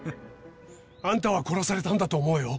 あんたは殺されたんだと思うよ。